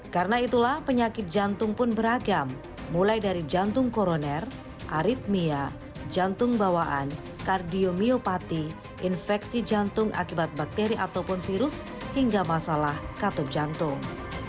karena itulah penyakit jantung pun beragam mulai dari jantung koroner aritmia jantung bawaan kardiomiopati infeksi jantung akibat bakteri ataupun virus hingga masalah katup jantung